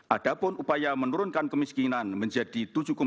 adapun upaya menurunkan kemiskinan menjadi tujuh lima